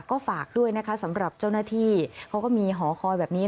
ก็ฝากด้วยนะคะสำหรับเจ้าหน้าที่เขาก็มีหอคอยแบบนี้